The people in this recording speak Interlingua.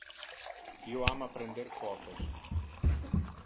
Io ama prender photos.